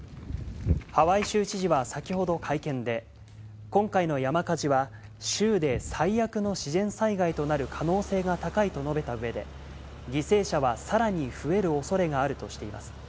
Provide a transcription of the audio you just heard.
ハワイ州知事は先ほど会見で、今回の山火事は州で最悪の自然災害となる可能性が高いと述べた上で、犠牲者はさらに増える恐れがあるとしています。